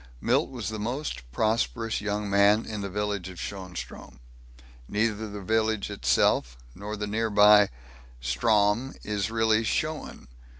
Milt was the most prosperous young man in the village of Schoenstrom. Neither the village itself nor the nearby Strom is really schoen.